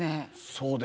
そうですね。